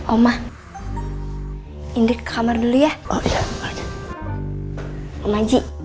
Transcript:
omah indik kamar dulu ya